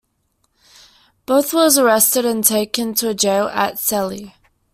Bothe was arrested and taken to a jail at Celle.